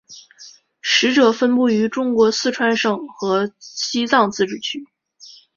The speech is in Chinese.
使用者分布于中国四川省和西藏自治区。